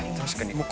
確かに。